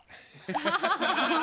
ハハハハ。